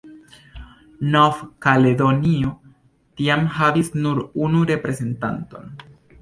Nov-Kaledonio tiam havis nur unu reprezentanton.